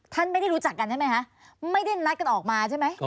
ไม่ได้รู้จักกันใช่ไหมคะไม่ได้นัดกันออกมาใช่ไหม